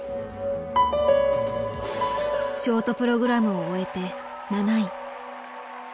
ショートプログラムを終えて７位。